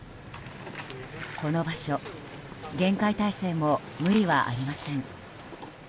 この場所、厳戒態勢も無理はありません。